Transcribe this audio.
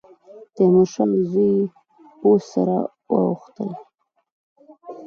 تیمورشاه او زوی یې پوځ سره واوښتل.